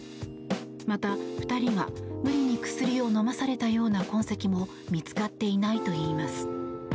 また、２人が無理に薬を飲まされたような痕跡も見つかっていないといいます。